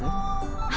はい！